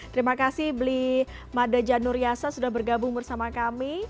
terima kasih blimade januryasa sudah bergabung bersama kami